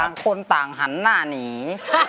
คนต่างหันหน้าหนี